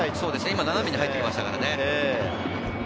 今斜めに入ってきましたからね。